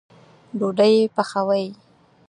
ډوډۍ پخوئ